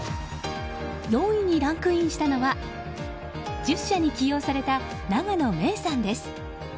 ４位にランクインしたのは１０社に起用された永野芽郁さんです。